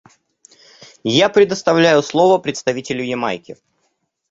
Я предоставляю слово представителю Ямайки.